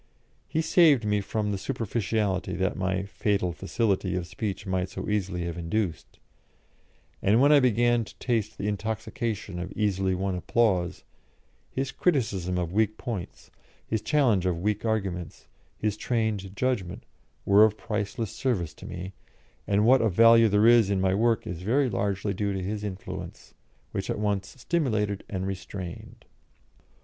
He saved me from the superficiality that my "fatal facility" of speech might so easily have induced; and when I began to taste the intoxication of easily won applause, his criticism of weak points, his challenge of weak arguments, his trained judgment, were of priceless service to me, and what of value there is in my work is very largely due to his influence, which at once stimulated and restrained.